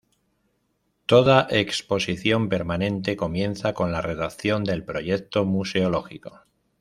Toda exposición permanente comienza con la redacción del proyecto museológico.